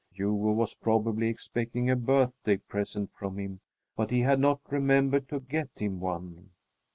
Hugo was probably expecting a birthday present from him, but he had not remembered to get him one.